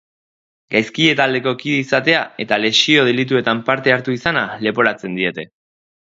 Gaizkile taldeko kide izatea eta lesio delituetan parte hartu izana leporatzen diete.